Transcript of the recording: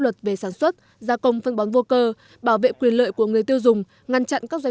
luật về sản xuất gia công phân bón vô cơ bảo vệ quyền lợi của người tiêu dùng ngăn chặn các doanh